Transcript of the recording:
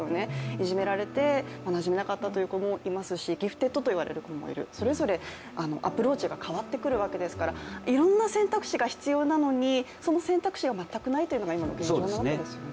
いじめられて、なじめなかったという子もいますし、ギフテッドという子もいる、それぞれアプローチが変わってくるわけですからいろんな選択肢が必要なのにその選択肢が全くないというのが今の現状なわけですよね。